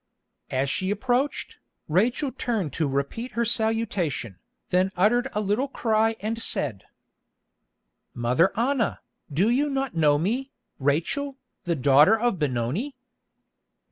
As she approached, Rachel turned to repeat her salutation, then uttered a little cry and said: "Mother Anna, do you not know me, Rachel, the daughter of Benoni?"